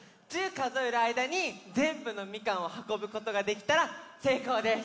かぞえるあいだにぜんぶのみかんをはこぶことができたらせいこうです。